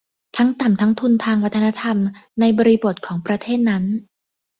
และต่ำทั้งทุนทางวัฒนธรรมในบริบทของประเทศนั้น